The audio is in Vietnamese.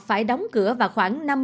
phải đóng cửa và khoảng năm mươi